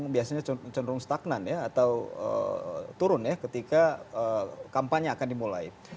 biasanya cenderung stagnan ya atau turun ya ketika kampanye akan dimulai